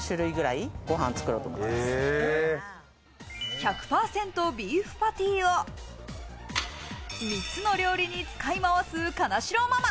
１００％ビーフパティを３つの料理に使い回す金城ママ。